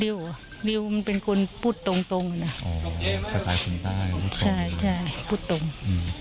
ดิวมันเป็นคนพูดตรงตรงอ่ะนะอ๋อภาษาคนใต้ใช่ใช่พูดตรงอืม